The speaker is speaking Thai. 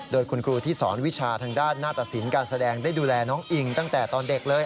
โดยคุณครูที่สอนวิชาทางด้านหน้าตสินการแสดงได้ดูแลน้องอิงตั้งแต่ตอนเด็กเลย